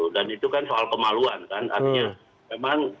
dan itu kan soal kemaluan